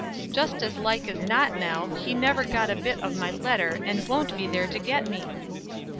"Just as like as not, now, he never got a bit of my letter, and won't be there to get me!"